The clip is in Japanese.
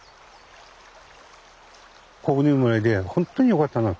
ここに生まれてほんとによかったな。